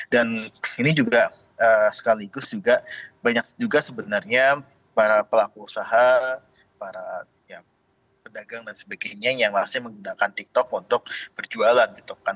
dan ini juga sekaligus juga banyak juga sebenarnya para pelaku usaha para pedagang dan sebagainya yang masih menggunakan tiktok untuk berjualan gitu kan